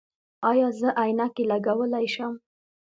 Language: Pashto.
ایا زه عینکې لګولی شم؟